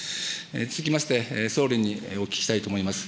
続きまして総理にお聞きしたいと思います。